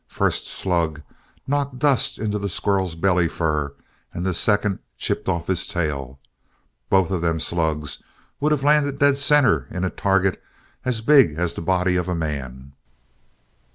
First slug knocked dust into the squirrel's belly fur and the second chipped off his tail. Both of them slugs would have landed dead center in a target as big as the body of a man!"